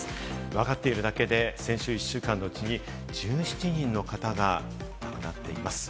分かってるだけで、先週１週間のうちに１７人の方が亡くなっています。